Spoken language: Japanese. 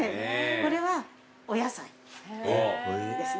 これはお野菜ですね。